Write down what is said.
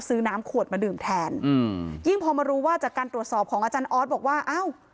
น้ำขวดมาดื่มแทนอืมยิ่งพอมารู้ว่าจากการตรวจสอบของอาจารย์ออสบอกว่าอ้าว